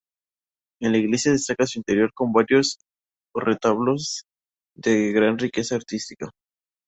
En la iglesia destaca su interior, con varios retablos de gran riqueza artística.